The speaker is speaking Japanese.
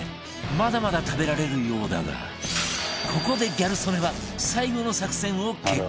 まだまだ食べられるようだがここでギャル曽根は最後の作戦を決行！